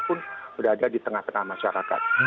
pun berada di tengah tengah masyarakat